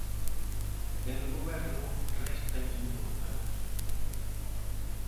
Dende o Goberno réstanlle importancia.